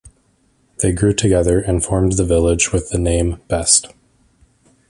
They grew together, and formed the village with the name Best.